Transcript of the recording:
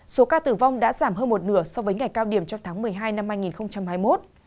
số ca tử vong đã giảm hơn một nửa so với ngày cao điểm trong tháng một mươi hai năm hai nghìn hai mươi một